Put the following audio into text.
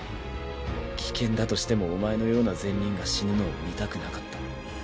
危険だとしてもお前のような善人が死ぬのを見たくなかった。